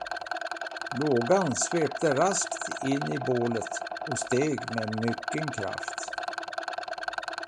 Lågan svepte raskt in i bålet och steg med mycken kraft.